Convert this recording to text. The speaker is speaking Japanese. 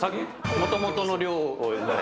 もともとの量。